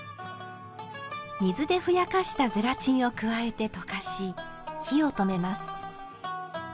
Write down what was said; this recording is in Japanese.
水でふやかしたゼラチンを加えて溶かし火を止めます。